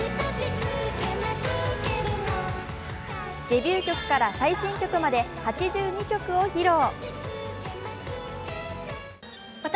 デビュー曲から最新曲まで８２曲を披露。